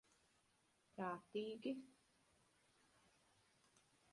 Prātīgi.